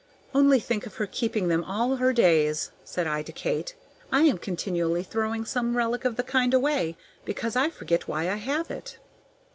"Only think of her keeping them all her days," said I to Kate. "I am continually throwing some relic of the kind away, because I forget why I have it!"